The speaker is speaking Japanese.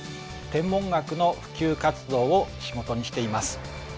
天文学の普及活動を仕事にしています。